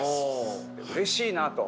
うれしいなと。